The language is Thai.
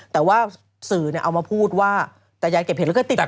แต่ว่าสื่อเอามาพูดว่าแต่ยายเก็บเห็ดแล้วก็ติด